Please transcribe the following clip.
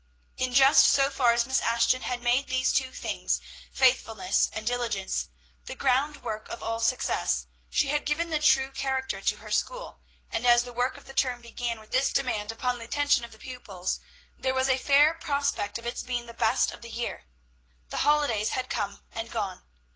In just so far as Miss Ashton had made these two things, faithfulness and diligence, the ground work of all success, she had given the true character to her school; and as the work of the term began with this demand upon the attention of the pupils, there was a fair prospect of its being the best of the year. The holidays had come and gone.